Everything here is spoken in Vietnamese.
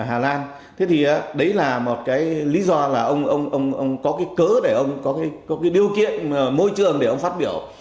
hà lan thế thì đấy là một cái lý do là ông có cái cớ để ông có cái điều kiện môi trường để ông phát biểu